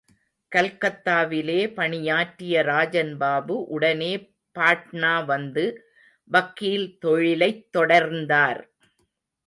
கல்கத்தாவிலே பணியாற்றிய ராஜன்பாபு உடனே பாட்னா வந்து வக்கீல் தொழிலைத் தொடர்ந்தார்.